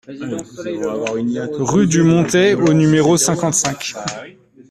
Rue du Montais au numéro cinquante-cinq